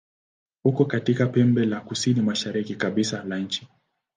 Uko katika pembe la kusini-mashariki kabisa la nchi.